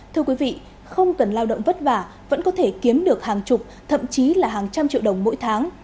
thưa quý vị không cần lao động vất vả vẫn có thể kiếm được hàng chục thậm chí là hàng trăm triệu đồng mỗi tháng